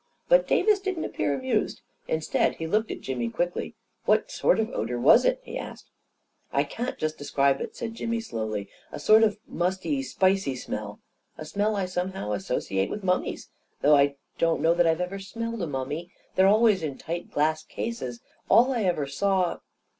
But Davis didn't appear amused. Instead, he looked at Jimmy quickly. " What sort of odor was it? " he asked. " I can't just describe it," said Jimmy, slowly; " a sort of mpsty, spicy smell — a smell I somehow associate with mummies — though I don't know that I ever smelled a mummy. They're always in tight glass cases — all I ever saw